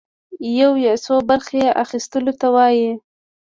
يوه يا څو برخي اخيستلو ته وايي.